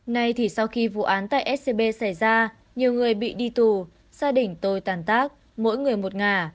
nay thì sau khi vụ án tại scb xảy ra nhiều người bị đi tù gia đình tôi tàn tác mỗi người một ngà